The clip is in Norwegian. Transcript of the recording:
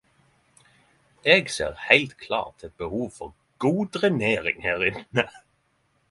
Eg ser heilt klart eit behov for moderering her inne.